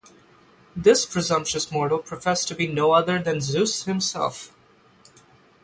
This presumptuous mortal professed to be no other than Zeus himself.